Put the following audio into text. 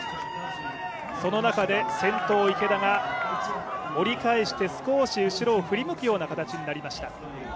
その中で、先頭・池田が折り返して少し後ろを振り向くような形になりました。